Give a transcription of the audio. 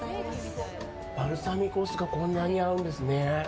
バルサミコ酢がこんなに合うんですね。